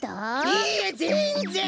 いいえぜんぜん！